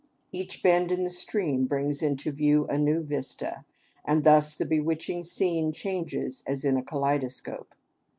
Each bend in the stream brings into view a new vista, and thus the bewitching scene changes as in a kaleidoscope.